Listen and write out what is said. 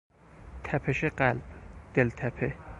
تپش قلب، دلتپه